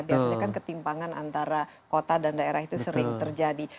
biasanya kan ketimpangan antara kota dan daerah itu sering terjadi